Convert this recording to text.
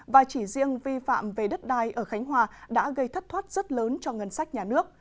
và chỉ riêng vi phạm về đất đai ở khánh hòa đã gây thất thoát rất lớn cho ngân sách nhà nước